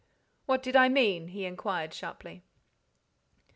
"What did I mean?" he inquired, sharply.